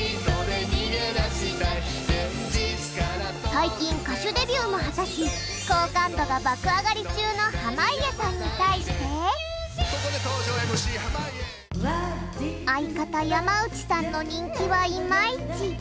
最近歌手デビューも果たし好感度が爆上がり中の濱家さんに対して相方山内さんの人気はイマイチ。